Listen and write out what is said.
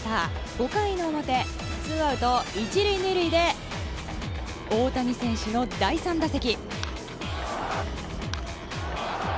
５回の表ツーアウト１塁２塁で大谷選手の第３打席。